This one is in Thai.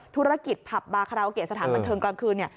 ธุรกิจผับบาคาราโอเกะสถานบันเทิงกลางคืนเนี่ย